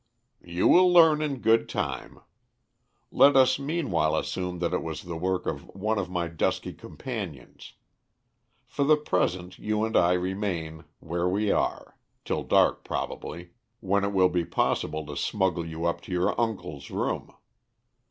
"You will learn in good time. Let us meanwhile assume that it was the work of one of my dusky companions. For the present you and I remain where we are till dark probably when it will be possible to smuggle you up to your uncle's room.